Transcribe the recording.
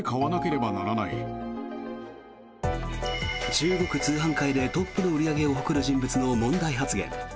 中国通販界でトップの売り上げを誇る人物の問題発言。